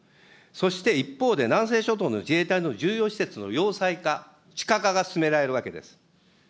そして一方で、南西諸島の自衛隊の重要施設の要塞化、地下化が進められるわけです。